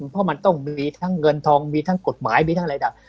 เพราะมันต้องมีทั้งเงินทองมีทั้งกฎหมายมีทั้งอะไรต่าง